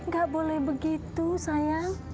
gak boleh begitu sayang